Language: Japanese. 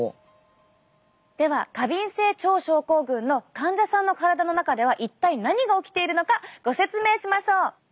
では過敏性腸症候群の患者さんの体の中では一体何が起きているのかご説明しましょう！